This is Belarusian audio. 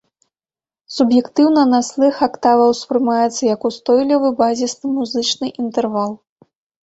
Суб'ектыўна на слых актава ўспрымаецца як ўстойлівы, базісны музычны інтэрвал.